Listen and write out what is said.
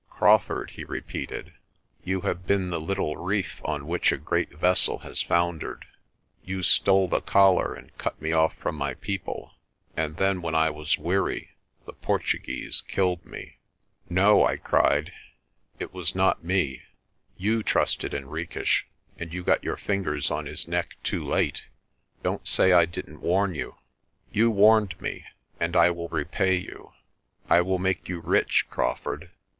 "Crawfurd," he repeated, "you have been the little reef on which a great vessel has foundered. You stole the collar and cut me off from my people, and then when I was weary the Portuguese killed me." "No," I cried, "it was not me. You trusted Henriques, and you got your fingers on his neck too late. Don't say I didn't warn you." "You warned me, and I will repay you. I will make you rich, Crawfurd.